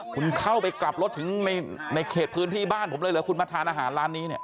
คุณเข้าไปกลับรถถึงในเขตพื้นที่บ้านผมเลยเหรอคุณมาทานอาหารร้านนี้เนี่ย